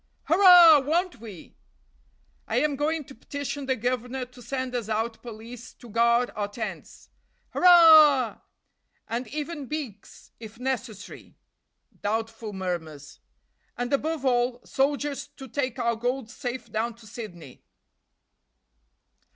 "Hurrah! won't we?" "I am going to petition the governor to send us out police to guard our tents." "Hurrah!" "And even beaks, if necessary" (doubtful murmurs). "And, above all, soldiers to take our gold safe down to Sydney."